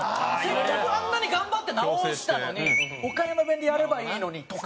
せっかくあんなに頑張って直したのに岡山弁でやればいいのにとか。